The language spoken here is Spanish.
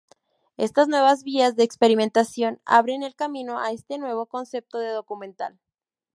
Estas nuevas vías de experimentación abren el camino a este nuevo concepto de documental.